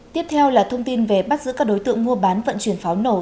tiếp theo là thông tin về bắt giữ các đối tượng mua bán vận chuyển pháo nổ